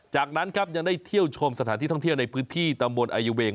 จากนั้นครับยังได้เที่ยวชมสถานที่ท่องเที่ยวในพื้นที่ตำบลอายุเวง